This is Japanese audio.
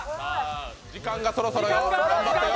時間がそろそろよ。